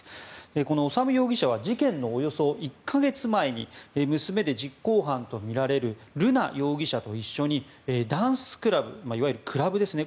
この修容疑者は事件のおよそ１か月前に娘で実行犯とみられる瑠奈容疑者と一緒にダンスクラブいわゆるクラブですね